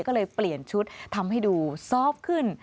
ก็เลยเปลี่ยนชุดทำให้ดูซอฟต์ขึ้น